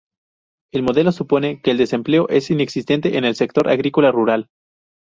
El modelo supone que el desempleo es inexistente en el sector agrícola rural.